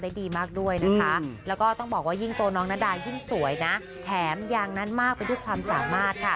แล้วก็ต้องบอกว่ายิ่งตัวน้องนาดายิ่งสวยนะแถมอย่างนั้นมากกว่าด้วยความสามารถค่ะ